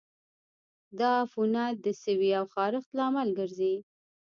دا عفونت د سوي او خارښت لامل ګرځي.